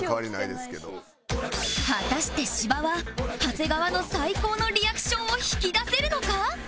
果たして芝は長谷川の最高のリアクションを引き出せるのか？